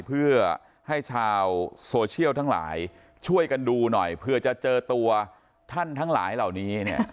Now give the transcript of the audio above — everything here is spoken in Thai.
เพื่อให้ชาวโซเชียลทั้งหลายช่วยกันดูหน่อยเผื่อจะเจอตัวท่านทั้งหลายเหล่านี้เนี่ย